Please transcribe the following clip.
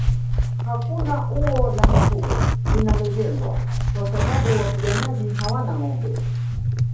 Hakuna ua la mifugo linalojengwa kwa sababu wapiganaji hawana ngombe